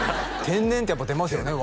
天然ってやっぱ出ますよね